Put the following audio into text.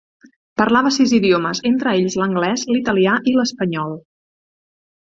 Parlava sis idiomes, entre ells l'anglès, l'italià i l'espanyol.